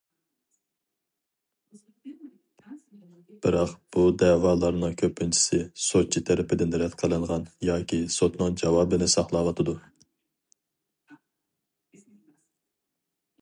بىراق بۇ دەۋالارنىڭ كۆپىنچىسى سوتچى تەرىپىدىن رەت قىلىنغان ياكى سوتنىڭ جاۋابىنى ساقلاۋاتىدۇ.